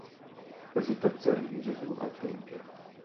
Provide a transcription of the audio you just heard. Presentazione di Gesù al Tempio